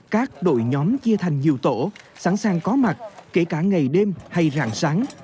các đội nhóm chia thành nhiều tổ sẵn sàng có mặt kể cả ngày đêm hay rạng sáng